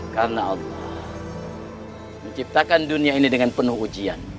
karena allah menciptakan dunia ini dengan penuh ujian